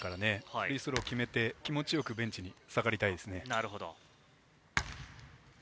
フリースローを決めて、気持ちよくベンチに下がりたいですね。